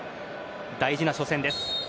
大事な初戦です。